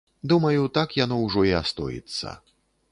Думаю, так яно ўжо і астоіцца.